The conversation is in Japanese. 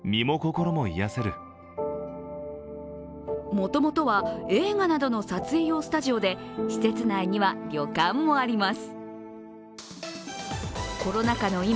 もともとは映画などの撮影用スタジオで施設内には旅館もあります。